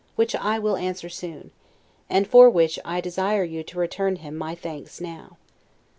which I will answer soon; and for which I desire you to return him my thanks now.